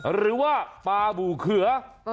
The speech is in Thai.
หรือว่าปลาบูเขือ